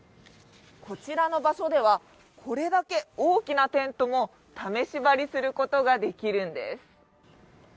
こちらの場所ではこれだけ大きなテントも試し張りすることができるんです。